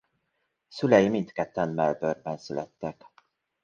Szülei mindketten Melbourne-ben születtek.